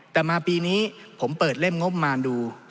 แต่มาปีนี้ผมเปิดเล่มงบมารดู